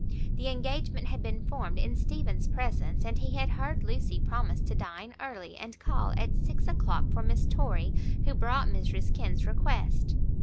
The engagement had been formed in Stephen's presence, and he had heard Lucy promise to dine early and call at six o'clock for Miss Torry, who brought Mrs Kenn's request.